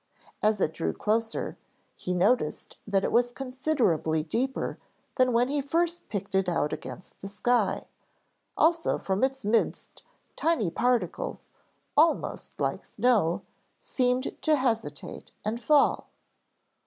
As it drew closer, he noticed that it was considerably deeper than when he first picked it out against the sky, also from its midst tiny particles, almost like snow, seemed to hesitate and fall.